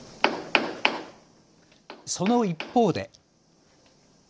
その一方で。